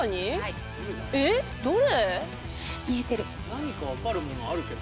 何か分かるものあるけど。